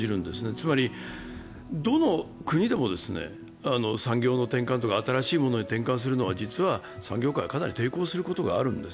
つまり、どの国でも産業の転換とか新しいものに転換するのは、実は産業界はかなり抵抗することがあるんです。